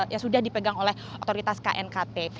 yang sudah dipegang oleh otoritas knkt